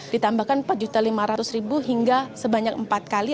ditambahkan empat lima ratus hingga sebanyak empat kali